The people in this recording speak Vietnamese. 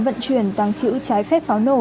vận chuyển tăng chữ trái phép pháo nổ